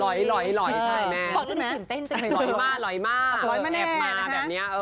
ร้อยใช่แม่ร้อยมาแอบมาแบบนี้เออ